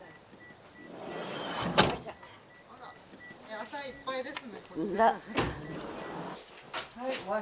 野菜いっぱいですね。